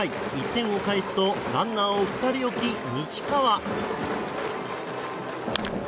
１点を返すとランナーを２人置き西川。